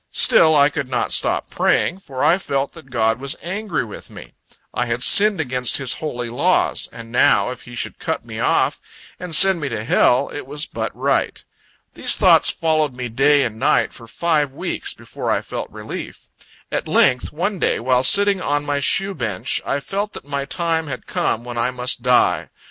Still I could not stop praying; for I felt that God was angry with me. I had sinned against his holy laws; and now, if He should cut me off, and send me to hell, it was but right. These thoughts followed me day and night, for five weeks, before I felt relief. At length, one day, while sitting on my shoe bench, I felt that my time had come when I must die.